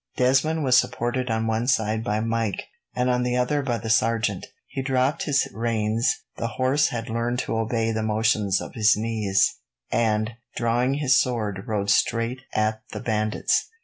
Desmond was supported on one side by Mike, and on the other by the sergeant. He dropped his reins the horse had learned to obey the motions of his knees and, drawing his sword, rode straight at the bandits.